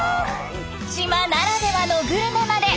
島ならではのグルメまで。